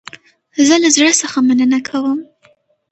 زه له زړه څخه مننه کوم